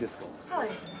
そうですね。